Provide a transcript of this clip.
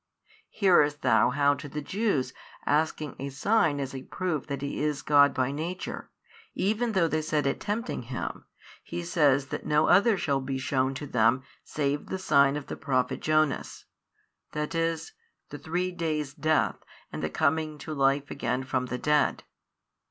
Hearest thou how to the Jews asking a sign as a proof that He is God by Nature, even though they said it tempting Him, He says that no other shall be shewn to them save the sign of the prophet Jonas, i. e. the three days death and the coming to life again from the dead?